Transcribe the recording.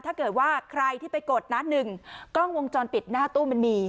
ถ้าเกิดว่าใครที่ไปกดนัดหนึ่งกล้องวงจรปิดหน้าตู้มันมี